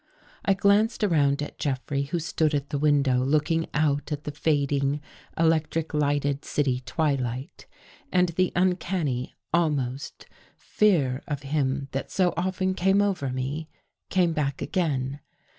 I glanced around at Jeffrey who stood at the window looking out at the fading, electric lighted, city twilight, and the uncanny — almost — fear of him that so often came over me, came back again.